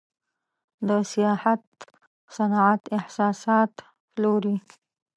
د سیاحت صنعت احساسات پلوري.